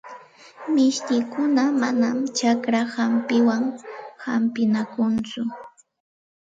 Mishtikuna manam chakra hampiwan hampinakunchu.